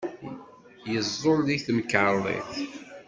Yeẓẓul deg temkarḍit.